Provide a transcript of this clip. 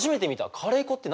カレー粉って何？